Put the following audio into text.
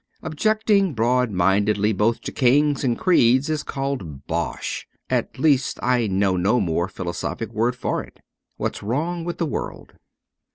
Objecting broad mindedly both to kings and creeds is called Bosh — at least, I know no more philosophic word for it. ' JV hat's Wrong with the World.'